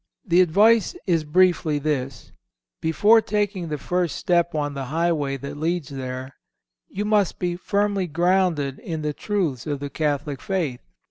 The advice is briefly this: Before taking the first step on the highway that leads there you must be firmly grounded in the truths of the Catholic faith.